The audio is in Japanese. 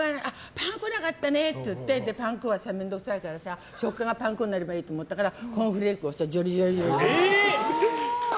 パン粉がなかったねってパン粉は面倒くさいから食感がパン粉になればいいなと思ったからコーンフレークをジョリジョリ。